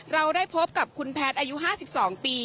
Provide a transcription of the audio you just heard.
เราได้พบกับคุณแพทย์อายุ๕๒ปี